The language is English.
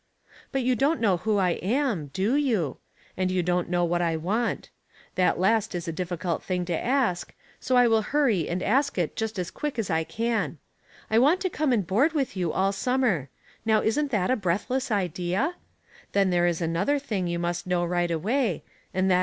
" But you don't know wlio I am, do you ? And you aon't know what I want. That last is a difficult thing to ask, so I will hurry and ask it just as quick as I can. I want to come and board with you all summer. Now isn't that a br(^athless idea ? Then there is another thing you must know right away, and that Ways and Means.